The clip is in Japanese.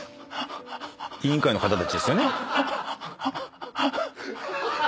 委員会の方たちですよね。